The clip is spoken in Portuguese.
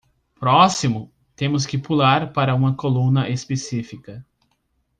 Próximo?, temos que pular para uma coluna específica.